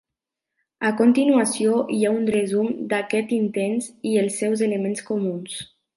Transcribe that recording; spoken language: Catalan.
A continuació hi ha un resum d'aquests intents i els seus elements comuns.